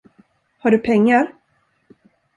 Har du pengar?